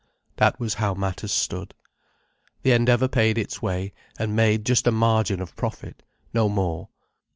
That was how matters stood. The Endeavour paid its way, and made just a margin of profit—no more.